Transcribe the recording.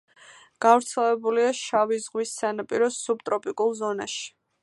გავრცელებულია შავი ზღვის სანაპიროს სუბტროპიკულ ზონაში.